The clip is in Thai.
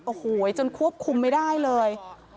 โอ้โหจนควบคุมไม่ได้เลย